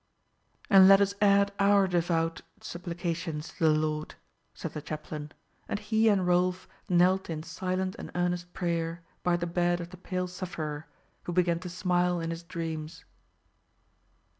"And let us add our devout supplications to the Lord," said the chaplain; and he and Rolf knelt in silent and earnest prayer by the bed of the pale sufferer, who began to smile in his dreams.